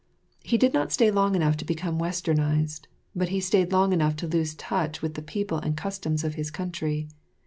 He did not stay long enough to become Westernised, but he stayed long enough to lose touch with the people and the customs of his country.